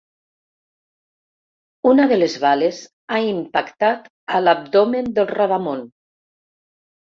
Una de les bales ha impactat a l’abdomen del rodamón.